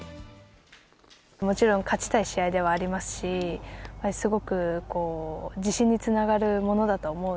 もちろん、勝ちたい試合ではありますし、すごく自信につながるものだと思う。